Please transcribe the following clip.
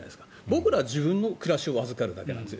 僕らは自分の暮らしを預かるだけなんです